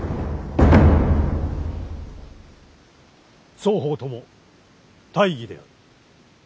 双方とも大儀である。